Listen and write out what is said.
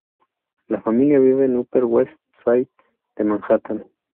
La familia vive en Upper West Side de Manhattan.